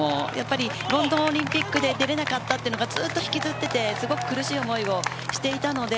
ロンドンオリンピックに出られなかったというのが引きずっていて苦しい思いをしていました。